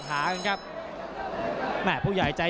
ติดตามยังน้อยกว่า